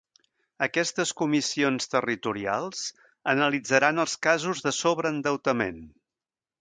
Aquestes comissions territorials analitzaran els casos de sobreendeutament.